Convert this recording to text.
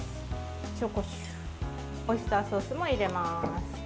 紹興酒、オイスターソースも入れます。